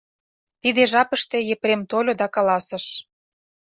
Тиде жапыште Епрем тольо да каласыш: